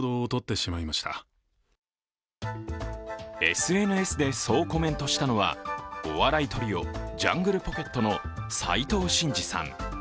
ＳＮＳで、そうコメントしたのはお笑いトリオ、ジャングルポケットの斉藤慎二さん。